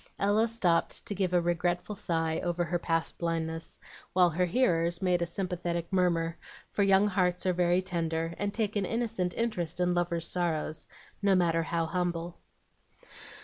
Ella stopped to give a regretful sigh over her past blindness, while her hearers made a sympathetic murmur; for young hearts are very tender, and take an innocent interest in lovers' sorrows, no matter how humble.